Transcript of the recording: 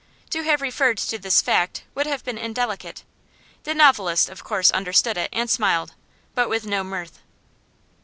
To have referred to this fact would have been indelicate; the novelist of course understood it, and smiled, but with no mirth.